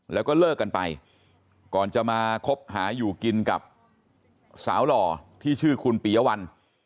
แล้วก็เลิกกันไปก่อนจะมาคบหาอยู่กินกับสาวหล่อที่ชื่อคุณปียวัล